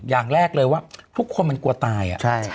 อย่างแรกเลยว่าทุกคนมันกลัวตาย